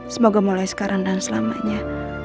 semoga mulai sekarang dan selamanya